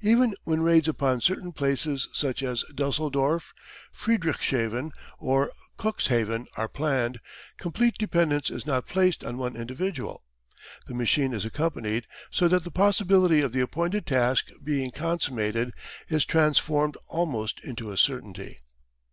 Even when raids upon certain places such as Dusseldorf, Friedrichshafen or Cuxhaven are planned, complete dependence is not placed on one individual. The machine is accompanied, so that the possibility of the appointed task being consummated is transformed almost into a certainty.